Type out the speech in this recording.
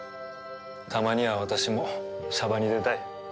たまには私もシャバに出たい。